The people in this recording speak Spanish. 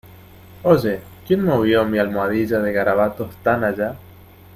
Oye, ¿ quién movió mi almohadilla de garabatos tan allá?